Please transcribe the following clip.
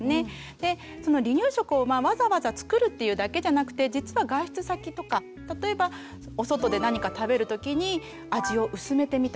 でその離乳食をわざわざ作るっていうだけじゃなくて実は外出先とか例えばお外で何か食べる時に味を薄めてみたりとか。